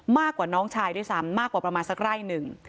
มากกว่าน้องชายด้วยซ้ำมากกว่าประมาณสักไร่หนึ่ง